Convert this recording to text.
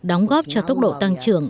đóng góp cho tốc độ tăng trưởng